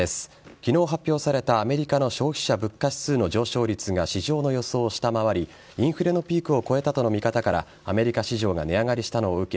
昨日、発表されたアメリカの消費者物価指数の上昇率が市場の予想を下回りインフレのピークを越えたとの見方からアメリカ市場が値上がりしたのを受け